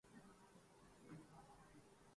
ابھی پاک جسموں میں تیر پیوستہ ہیں